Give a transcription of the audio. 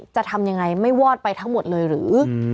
จะทำยังไงไม่วอดไปทั้งหมดเลยหรือ